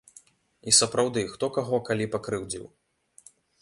І сапраўды, хто каго калі пакрыўдзіў?